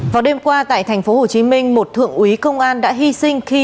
vào đêm qua tại thành phố hồ chí minh một thượng úy công an đã hy sinh khi